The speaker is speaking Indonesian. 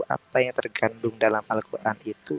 apa yang tergandung dalam al quran itu